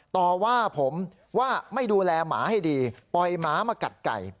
ต่อว่าผมว่าไม่ดูแลหมาให้ดีปล่อยหมามากัดไก่